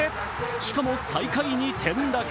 しかも、最下位に転落。